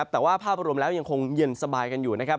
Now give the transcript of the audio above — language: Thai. แต่ว่าภาพรวมแล้วยังคงเย็นสบายกันอยู่นะครับ